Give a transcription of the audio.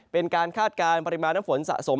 คาดการณ์ปริมาณน้ำฝนสะสม